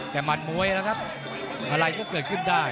แต่มันมวยนะครับอะไรก็เกิดขึ้นได้